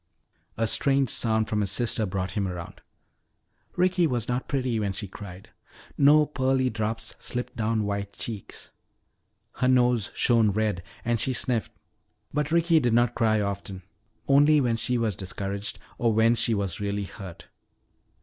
A strange sound from his sister brought him around. Ricky was not pretty when she cried. No pearly drops slipped down white cheeks. Her nose shone red and she sniffed. But Ricky did not cry often. Only when she was discouraged, or when she was really hurt.